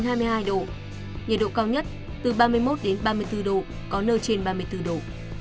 nhiệt độ cao nhất từ ba mươi một đến ba mươi bốn độ có nơi trên hai mươi sáu độ